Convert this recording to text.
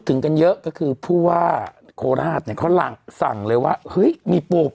ถึงกันเยอะก็คือผู้ว่าโคราชเนี่ยเขาสั่งเลยว่าเฮ้ยมีปลูก